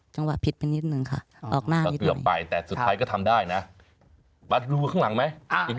จังหวะผิดมันนิดนึงค่ะออกหน้าเกือบไปแต่สุดท้ายก็ทำได้นะบ๊าดรู้ข้างหลังไหม